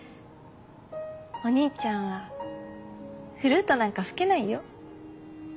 お兄ちゃんはフルートなんか吹けないよ。